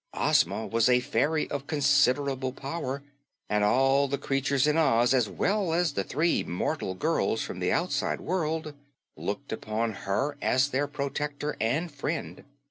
Ozma was a fairy of considerable power, and all the creatures in Oz as well as the three mortal girls from the outside world looked upon her as their protector and friend.